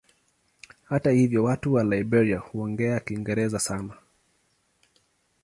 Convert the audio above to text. Hata hivyo watu wa Liberia huongea Kiingereza sana.